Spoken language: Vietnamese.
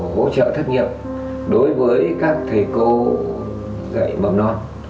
và có những chế độ hỗ trợ thất nghiệp đối với các thầy cô dạy mầm non